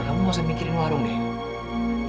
kamu gak usah mikirin warung nih